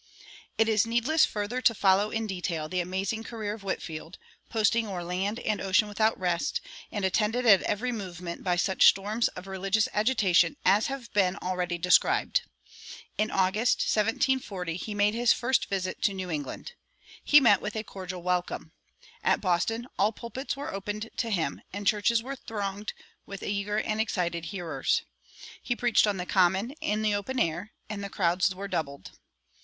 It is needless further to follow in detail the amazing career of Whitefield, "posting o'er land and ocean without rest," and attended at every movement by such storms of religious agitation as have been already described. In August, 1740, he made his first visit to New England. He met with a cordial welcome. At Boston all pulpits were opened to him, and churches were thronged with eager and excited hearers.[168:1] He preached on the common in the open air, and the crowds were doubled.